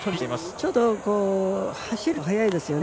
ちょっと走るのが早いですよね。